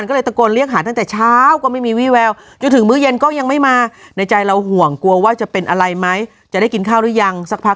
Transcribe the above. โอ้ยสงสารเธอแงะขนาดนั้น